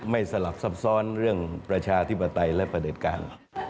สลับซับซ้อนเรื่องประชาธิปไตยและประเด็จการ